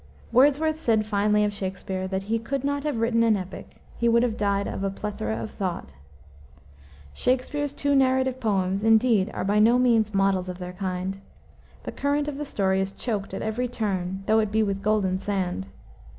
Wordsworth said finely of Shakspere, that he "could not have written an epic: he would have died of a plethora of thought." Shakspere's two narrative poems, indeed, are by no means models of their kind. The current of the story is choked at every turn, though it be with golden sand.